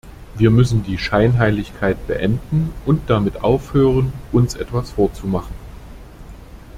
Wir müssen die Scheinheiligkeit beenden und damit aufhören, uns etwas vorzumachen.